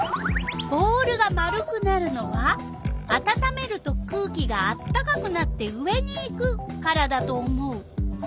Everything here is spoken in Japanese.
「ボールが丸くなるのはあたためると空気があったかくなって上にいくからだと思う」。